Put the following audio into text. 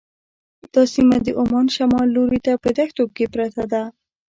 دا سیمه د عمان شمال لوري ته په دښتو کې پرته ده.